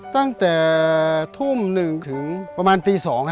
ตั้งแต่ทุ่ม๑ถึงประมาณตี๒